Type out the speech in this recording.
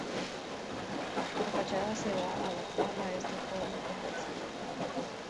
La fachada se va a adaptar a esta forma convexa.